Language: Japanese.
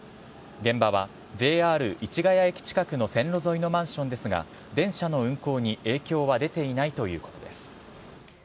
現場はＪＲ市ケ谷駅近くの線路沿いのマンションですが電車の運行に影響は出ていないということです。